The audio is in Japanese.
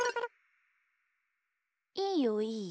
いいよいいよ。